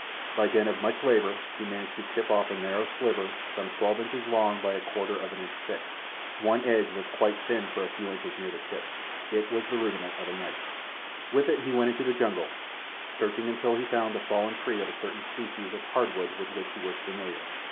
By dint of much labour he managed to chip off a narrow sliver some twelve inches long by a quarter of an inch thick. One edge was quite thin for a few inches near the tip. It was the rudiment of a knife. With it he went into the jungle, searching until he found a fallen tree of a certain species of hardwood with which he was familiar.